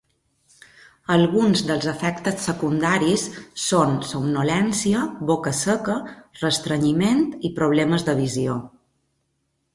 Alguns dels efectes secundaris són somnolència, boca seca, restrenyiment i problemes de visió.